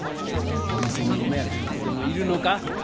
お店にお目当ての子でもいるのか？